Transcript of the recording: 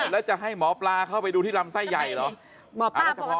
แล้วจะให้หมอปลาเข้าไปดูที่ลำไส้ใหญ่เหรอ